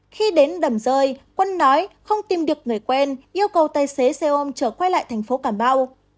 khi đến đầm rơi quân nói không tìm được người quen yêu cầu tài xế xe ôm trở quay lại thành phố cà mau